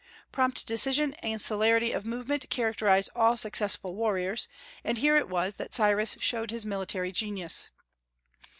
Prompt decision and celerity of movement characterize all successful warriors, and here it was that Cyrus showed his military genius.